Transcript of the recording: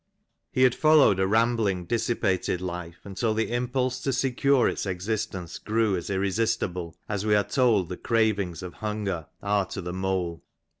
He had followed a rambling dissipated life until the impulse to secure its existence grew as irresistible as we are told the cravings of hunger are to the mole.